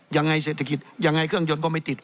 ยังไงเศรษฐกิจยังไงเครื่องยนต์ก็ไม่ติด